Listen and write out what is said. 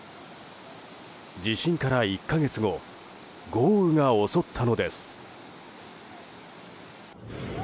地震から１か月後豪雨が襲ったのです。